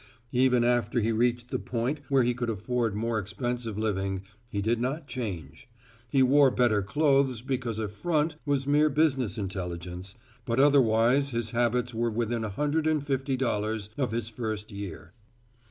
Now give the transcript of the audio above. Even after he reached the point where he could afford more expensive living, he did not change. He wore better clothes because a "front" was mere business intelligence, but otherwise his habits were within a hundred and fifty dollars of his first year.